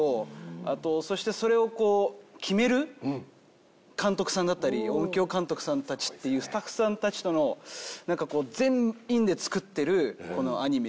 あとそしてそれを決める監督さんだったり音響監督さんたちっていうスタッフさんたちとのなんかこう。